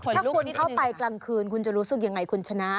ถ้าคนที่เข้าไปกลางคืนคุณจะรู้สึกยังไงคุณชนะ